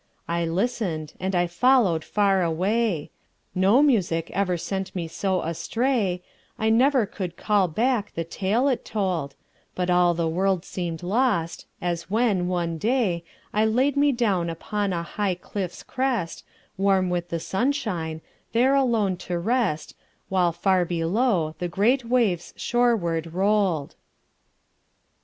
I listened, and I followed far away No music ever sent me so astray, I never could call back the tale it told, But all the world seemed lost, as when, one day, I laid me down upon a high cliff's crest, Warm with the sunshine, there alone to rest, While far below the great waves shoreward rolled.